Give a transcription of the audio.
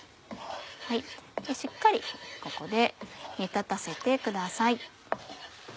しっかりここで煮立たせてください。